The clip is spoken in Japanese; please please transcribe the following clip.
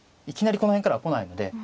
いきなりこの辺からは来ないので。